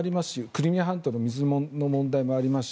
クリミア半島の水の問題もあります